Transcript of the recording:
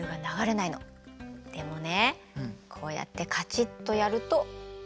でもねこうやってカチッとやると。